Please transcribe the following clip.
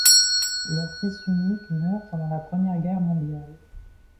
Leur fils unique meurt pendant la Première Guerre mondiale.